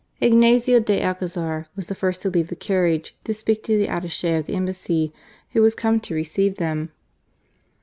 Ignazio de Alcazar was the first to leave the carriage to speak to the attache of the Embassy who was come to receive them.